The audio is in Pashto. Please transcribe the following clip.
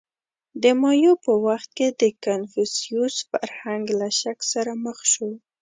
• د مایو په وخت کې د کنفوسیوس فرهنګ له شک سره مخ شو.